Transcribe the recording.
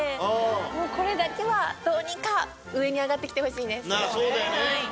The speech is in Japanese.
もうこれだけはどうにか上に上がってきてほしいです。